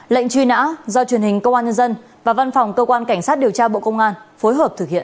lệnh truy nã do truyền hình công an nhân dân và văn phòng cơ quan cảnh sát điều tra bộ công an phối hợp thực hiện